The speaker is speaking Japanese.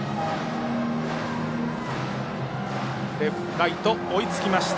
ライト、追いつきました。